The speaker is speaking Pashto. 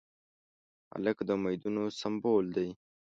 هلک د امیدونو سمبول دی.